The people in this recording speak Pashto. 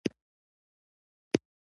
په رښتني ډول بیان شوي دي چې کله یو څوک کوم